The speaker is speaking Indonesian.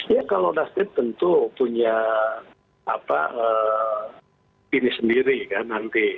ya kalau nasdem tentu punya ini sendiri kan nanti